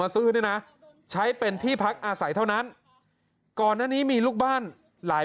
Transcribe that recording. มาซื้อนะใช้เป็นที่พักอาศัยเท่านั้นก่อนนี้มีลูกบ้านหลาย